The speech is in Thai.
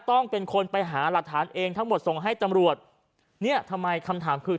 ต้องเป็นคนไปหาหลักฐานเองทั้งหมดส่งให้ตำรวจเนี่ยทำไมคำถามคือ